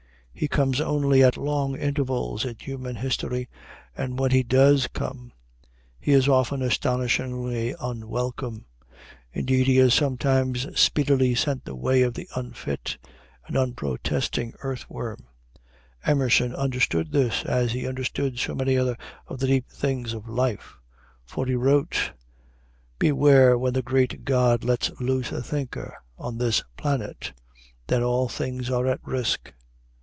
He comes only at long intervals in human history, and when he does come, he is often astonishingly unwelcome. Indeed, he is sometimes speedily sent the way of the unfit and unprotesting earthworm. Emerson understood this, as he understood so many other of the deep things of life. For he wrote: "Beware when the great God lets loose a thinker on this planet. Then all things are at risk."